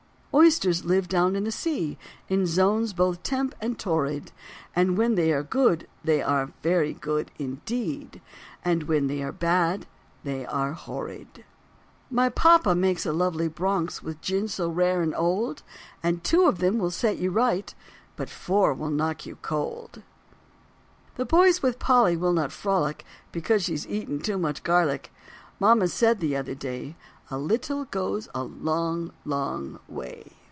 Oysters live down in the sea In zones both temp. and torrid, And when they are good they are very good indeed, And when they are bad they are horrid. My papa makes a lovely Bronx With gin so rare and old, And two of them will set you right But four will knock you cold. The boys with Polly will not frolic Because she's eaten too much garlic. Mama said the other day, "A little goes a long, long way."